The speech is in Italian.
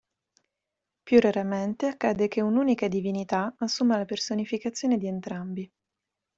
Più raramente accade che un'unica divinità assuma la personificazione di entrambi.